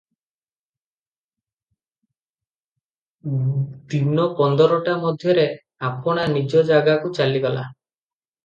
ଦିନ ପନ୍ଦରଟା ମଧ୍ୟରେ ଆପଣା ନିଜ ଯାଗାକୁ ଚାଲିଗଲା ।